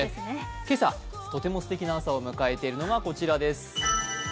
今朝、とてもすてきな朝を迎えているのがこちらです。